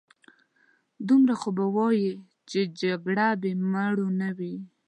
دومره خو به وايې چې جګړه بې مړو نه وي.